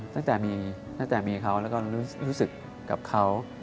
ตั้งแต่มีเขาแล้วก็รู้สึกกับเขา